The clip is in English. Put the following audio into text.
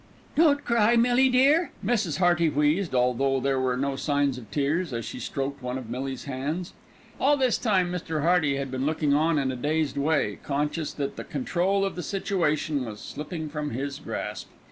"Don't cry, Millie dear," Mrs. Hearty wheezed, although there were no signs of tears, as she stroked one of Millie's hands. All this time Mr. Hearty had been looking on in a dazed way, conscious that the control of the situation was slipping from his grasp.